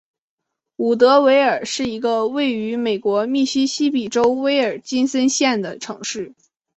伍德维尔是一个位于美国密西西比州威尔金森县的城市。